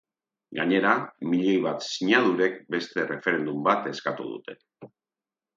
Gainera, milioi bat sinadurek beste referendum bat eskatu dute.